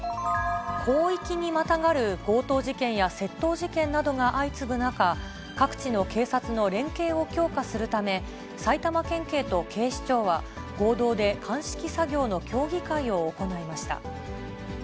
広域にまたがる強盗事件や窃盗事件などが相次ぐ中、各地の警察の連携を強化するため、埼玉県警と警視庁は、合同で鑑識作業の競技会を行いました。